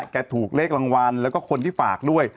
แกถูกเลขรางวัลแล้วก็คนที่ฝากด้วย